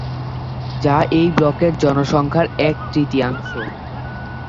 যা এই ব্লকের জনসংখ্যার এক-তৃতীয়াংশ।